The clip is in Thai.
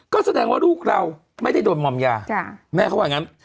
ก็แสดงว่าลูกเราไม่ได้โดนมอมยาแม่เขาว่าอย่างนั้น